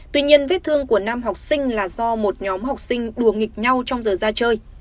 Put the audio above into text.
tuy nhiên vết thương của nam học sinh là do một nhóm học sinh đùa nghịch nhau trong giờ ra chơi